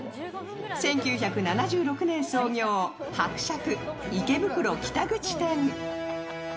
１９７６年創業、伯爵池袋北口店。